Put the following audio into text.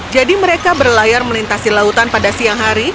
jadi mereka berlayar melintasi lautan pada siang hari